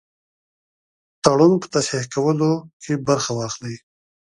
تړون په تصحیح کولو کې برخه واخلي.